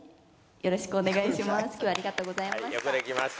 よろしくお願いします。